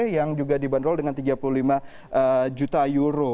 yang juga dibanderol dengan tiga puluh lima juta euro